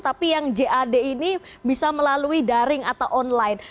tapi yang jad ini bisa melalui daring atau online